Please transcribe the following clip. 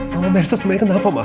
mama merasa semangat kenapa ma